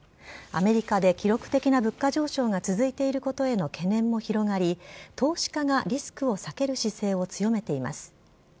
アメリカで記録的な物価上昇が続いていることへの懸念も広がり、投資家がリスクを避ける姿勢を強めています。